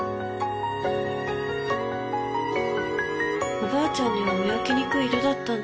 おばあちゃんには見分けにくい色だったんだ。